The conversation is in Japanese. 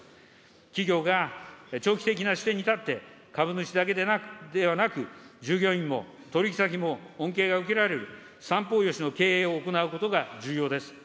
企業が長期的な視点に立って、株主だけではなく、従業員も取引先も、恩恵が受けられる、三方良しの経営を行うことが重要です。